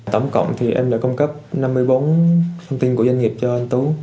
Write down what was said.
tổng cộng thì em đã cung cấp năm mươi bốn thông tin của doanh nghiệp cho anh tú